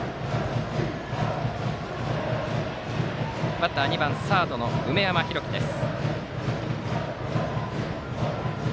バッターは２番、サードの梅山浩輝です。